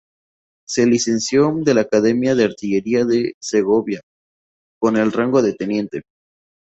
Se licenció de la Academia de Artillería de Segovia con el rango de teniente.